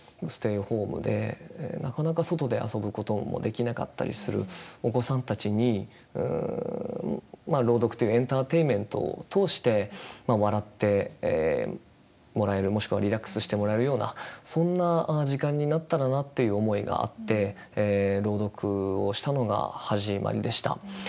ステイホームでなかなか外で遊ぶこともできなかったりするお子さんたちにまあ朗読というエンターテインメントを通して笑ってもらえるもしくはリラックスしてもらえるようなそんな時間になったらなという思いがあって朗読をしたのが始まりでした。